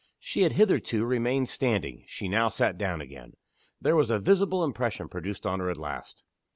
She had hitherto remained standing she now sat down again. There was a visible impression produced on her at last.